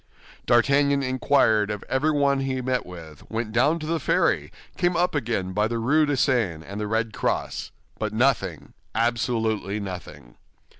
D'Artagnan inquired of everyone he met with, went down to the ferry, came up again by the Rue de Seine, and the Red Cross; but nothing, absolutely nothing!